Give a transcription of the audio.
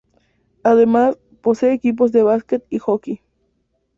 Además, posee equipos de básquet y hockey.